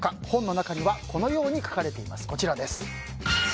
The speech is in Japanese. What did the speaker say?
本の中にはこのように書かれています。